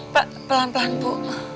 pak pelan pelan bu